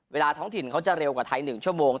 ท้องถิ่นเขาจะเร็วกว่าไทย๑ชั่วโมง